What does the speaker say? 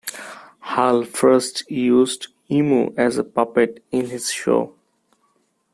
Hull first used Emu as a puppet in this show.